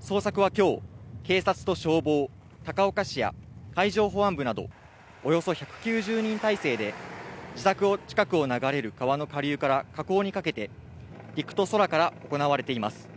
捜索は今日、警察と消防、高岡市や海上保安部などおよそ１９０人態勢で自宅近くを流れる川の下流から河口にかけて陸と空から行われています。